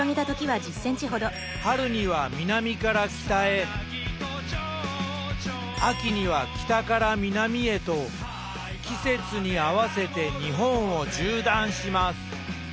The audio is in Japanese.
春には南から北へ秋には北から南へと季節に合わせて日本を縦断します。